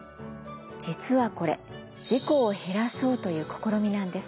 実はこれ事故を減らそうという試みなんです。